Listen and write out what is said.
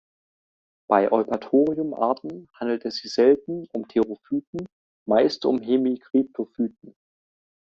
Bei "Eupatorium"-Arten handelt es sich selten um Therophyten, meist um Hemikryptophyten.